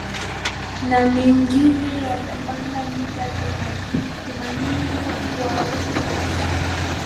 na mengine yalipanda mita themanini kwa urahisi